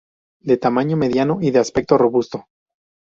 De tamaño mediano y de aspecto robusto.